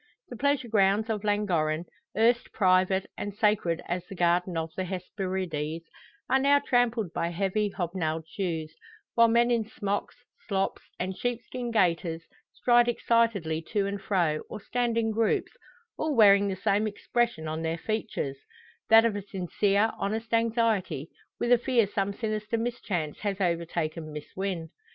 The pleasure grounds of Llangorren, erst private and sacred as the Garden of the Hesperides, are now trampled by heavy, hobnailed shoes; while men in smocks, slops, and sheepskin gaiters, stride excitedly to and fro, or stand in groups, all wearing the same expression on their features that of a sincere, honest anxiety, with a fear some sinister mischance has overtaken Miss Wynn.